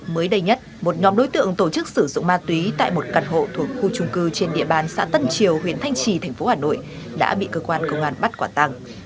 mới đây nhất một nhóm đối tượng tổ chức sử dụng ma túy tại một căn hộ thuộc khu trung cư trên địa bàn xã tân triều huyện thanh trì tp hà nội đã bị cơ quan công an bắt quả tăng